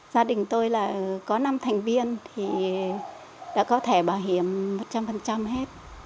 gia đình tôi là có năm thành viên thì đã có thẻ bảo hiểm một trăm linh hết